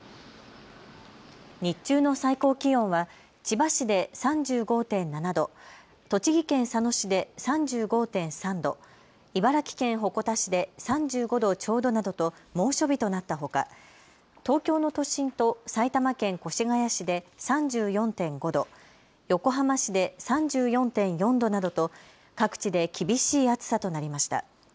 日中の最高気温は千葉市で３５．７度、栃木県佐野市で３５．３度、茨城県鉾田市で３５度ちょうどなどと猛暑日となったほか、東京の都心と埼玉県越谷市で３４．５度、横浜市で３４．４度などと各地で厳しい暑さとなりました。